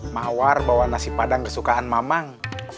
mawar bawa nasi padang kesukaan mamang